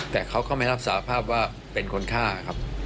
แต่เขาก็ไม่รับสาภาพว่าเป็นคนฆ่าครับ